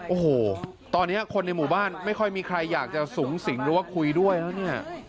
โอ้โหตอนนี้คนในหมู่บ้านไม่ค่อยมีใครอยากจะสูงสิงหรือว่าคุยด้วยแล้วเนี่ย